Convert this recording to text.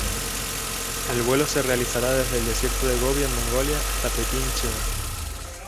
El vuelo se realizará desde el desierto de Gobi, en Mongolia, hasta Pekín, China.